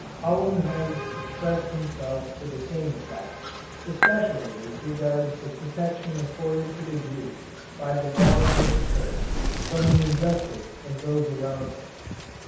Hallam has expressed himself to the same effect, especially as regards the protection afforded to the Jew by the laws of the Church from the injustice of those around him.